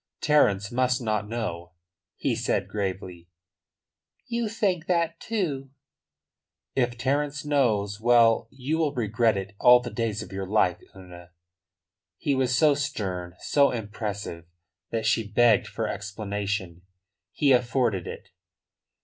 "Terence must not know," he said gravely. "You think that too!" "If Terence knows well, you will regret it all the days of your life, Una." He was so stern, so impressive, that she begged for explanation. He afforded it.